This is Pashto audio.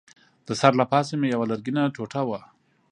د سر له پاسه مې یوه لرګینه ټوټه وه.